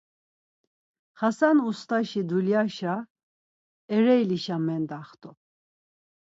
Xasan ust̆aşi dulyaşa Ereylişa mendaxt̆u.